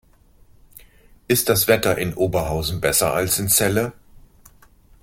Ist das Wetter in Oberhausen besser als in Celle?